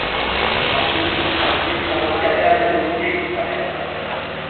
Batzuetan, aulkiak eta guzti ateratzen ditiztek kalera.